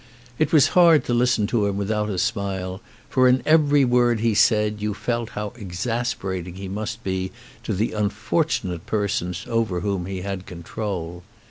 It was hard to listen to him without a smile, for in every word he said you felt how exasperating he must be to the unfortunate persons over whom he had control.